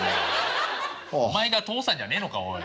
お前父さんじゃねえのかおい。